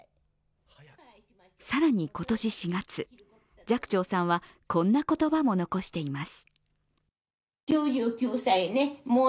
更に今年４月、寂聴さんは、こんな言葉も残しています。